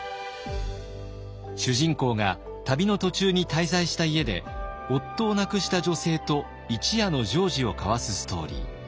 主人公が旅の途中に滞在した家で夫を亡くした女性と一夜の情事を交わすストーリー。